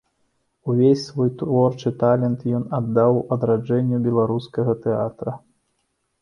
Увесь свой творчы талент ён аддаў адраджэнню беларускага тэатра.